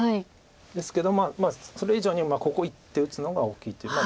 ですけどまあそれ以上にここ１手打つのが大きいっていう。